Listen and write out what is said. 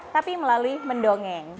tapi melalui mendongeng